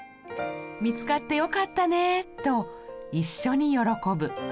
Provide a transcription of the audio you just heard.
見つかってよかったねと一緒に喜ぶ。